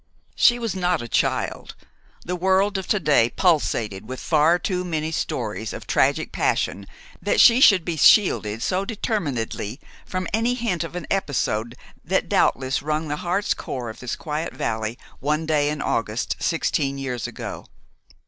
She was not a child. The world of to day pulsated with far too many stories of tragic passion that she should be shielded so determinedly from any hint of an episode that doubtless wrung the heart's core of this quiet valley one day in August sixteen years ago.